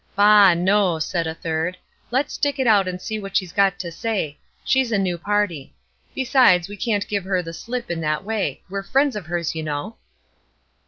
"Bah! no!" replied a third; "let's stick it out and see what she's got to say; she's a new party. Besides, we can't give her the slip in that way; we're friends of hers, you know."